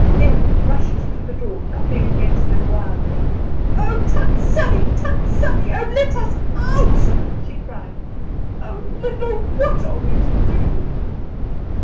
Em rushed to the door, knocking against it wildly. "Oh, Tant Sannie! Tant Sannie! Oh, let us out!" she cried. "Oh, Lyndall, what are we to do?"